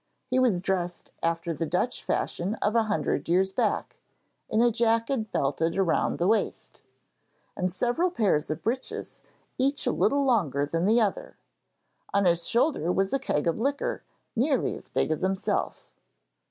He was dressed after the Dutch fashion of a hundred years back, in a jacket belted round the waist, and several pairs of breeches, each a little longer than the other. On his shoulder was a keg of liquor, nearly as big as himself.